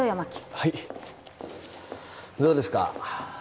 はいどうですか？